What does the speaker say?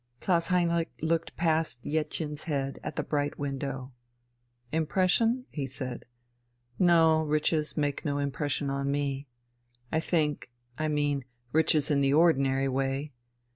Klaus Heinrich looked past Jettchen's head at the bright window. "Impression?" he said.... "No, riches make no impression on me, I think I mean, riches in the ordinary way.